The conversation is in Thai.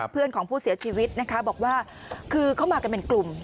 เพื่อนของผู้เสียชีวิตนะคะบอกว่าคือเข้ามากันเป็นกลุ่ม